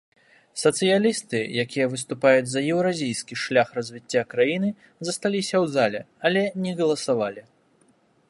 Сацыялісты, якія выступаюць за еўразійскі шлях развіцця краіны, засталіся ў зале, але не галасавалі.